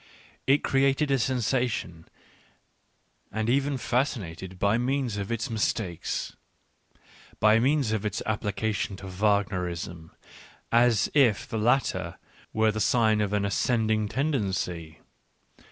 It created a sensation and even fascinated by means of its mistakes — by means of its application to Wagner ism, as if the latter were the sign of an ascending tendency.